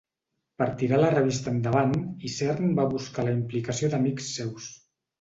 Per tirar la revista endavant, Isern va buscar la implicació d'amics seus.